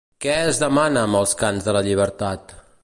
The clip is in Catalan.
Què es demana amb els Cants per la Llibertat?